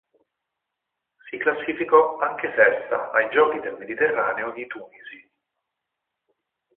Si classificò anche sesta ai Giochi del Mediterraneo di Tunisi.